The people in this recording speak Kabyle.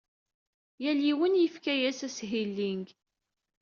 Yal yiwen yefka-as ashilling.